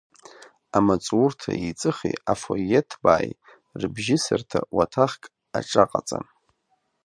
Амаҵурҭа еиҵыхи афоие ҭбааи рыбжьысырҭа уаҭахк аҿаҟаҵан.